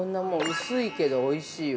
薄いけど、おいしいわ。